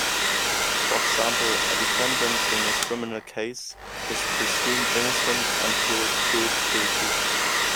For example, a defendant in a criminal case is presumed innocent until proved guilty.